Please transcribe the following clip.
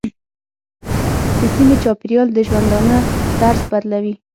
د سیمې چاپېریال د ژوندانه طرز بدلوي.